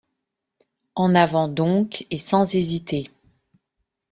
En avant donc, et sans hésiter.